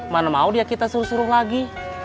mana mau dia kita suruh suruh lagi